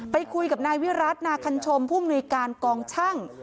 ไปคุยกับนายวิรัตินาคันชมผู้มนุยการกองช่าง